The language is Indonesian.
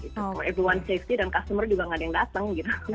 for everyone safety dan customer juga nggak ada yang datang gitu